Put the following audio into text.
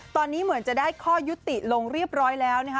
ตอนนี้เหมือนจะได้ข้อยุติลงเรียบร้อยแล้วนะคะ